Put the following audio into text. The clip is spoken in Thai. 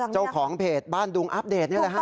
เจ้าของเพจบ้านดุงอัปเดตนี่แหละฮะ